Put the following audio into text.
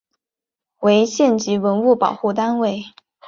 为县级文物保护单位。